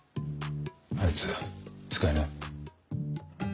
⁉あいつ使えない？